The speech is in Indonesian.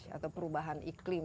change atau perubahan iklim